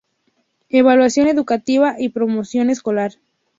Evaluación educativa y promoción escolar.